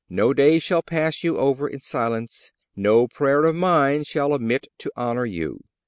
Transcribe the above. No day shall pass you over in silence. No prayer of mine shall omit to honor you.